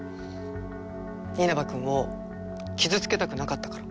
稲葉君を傷つけたくなかったから。